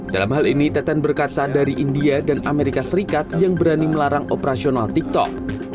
dalam hal ini teten berkaca dari india dan amerika serikat yang berani melarang operasional tiktok